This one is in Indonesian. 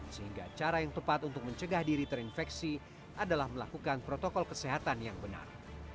sehingga cara yang tepat untuk mencegah diri terinfeksi adalah melakukan protokol kesehatan yang benar